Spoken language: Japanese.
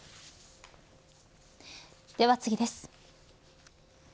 では次です。